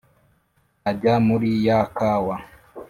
ajya muli ya kawa